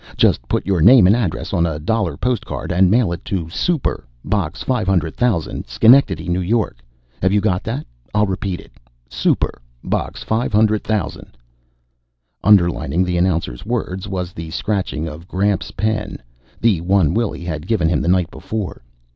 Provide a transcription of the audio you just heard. Just put your name and address on a dollar postcard, and mail it to 'Super,' Box 500,000, Schenectady, N. Y. Have you got that? I'll repeat it. 'Super,' Box 500,000 ..." Underlining the announcer's words was the scratching of Gramps' pen, the one Willy had given him the night before.